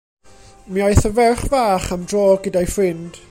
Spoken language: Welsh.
Mi aeth y ferch fach am dro gyda'i ffrind.